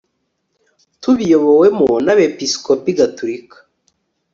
tubiyobowemo n abepiskopi Gatolika